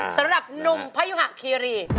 สำหรับหนุ่มพยุหะคีรี